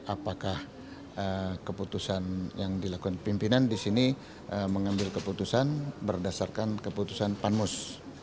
apakah keputusan yang dilakukan pimpinan di sini mengambil keputusan berdasarkan keputusan panmus